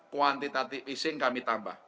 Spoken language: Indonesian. kuantitatif easing kami tambah